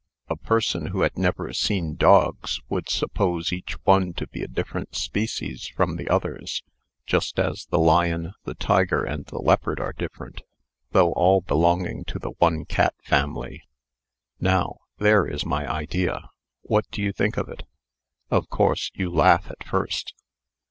A person who had never seen dogs, would suppose each one to be a different species from the others just as the lion, the tiger, and the leopard are different, though all belonging to the one cat family. Now, there is my idea. What do you think of it? Of course, you laugh, at first."